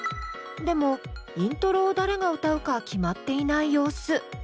でもイントロを誰が歌うか決まっていない様子。